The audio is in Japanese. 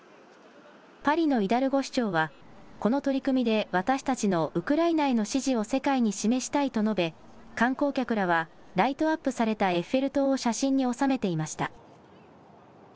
パリのイダルゴ市長はこの取り組みで、私たちのウクライナへの支持を世界に示したいと述べ、観光客らはライトアップされたエッフェル塔を写真に収めていました。